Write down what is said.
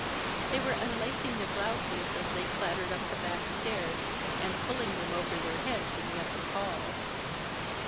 They were unlacing their blouses as they clattered up the back stairs, and pulling them over their heads in the upper hall.